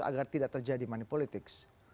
agar tidak terjadi manipolitik